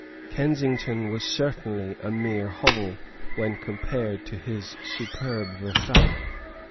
Kensington was certainly a mere hovel when compared to his superb Versailles.